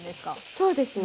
そうですね